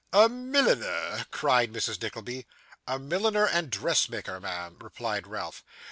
'A milliner!' cried Mrs. Nickleby. 'A milliner and dressmaker, ma'am,' replied Ralph.